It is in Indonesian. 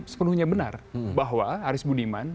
sepenuhnya benar bahwa aris budiman